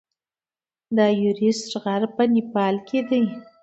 د ایورسټ غر په نیپال کې دی.